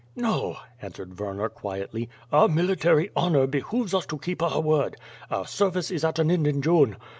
"No," answered Werner quietly. "Our military honor be hooves us to keep our word. Our service it at an end in June.